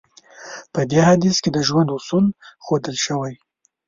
په دې حديث کې د ژوند اصول ښودل شوی.